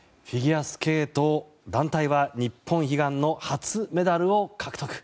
フィギュアスケート団体は日本悲願の初メダルを獲得。